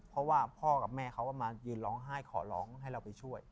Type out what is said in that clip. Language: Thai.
เพราะว่าพ่อกับแม่เขาก็มายืนร้องไห้ขอร้องให้เราไปช่วย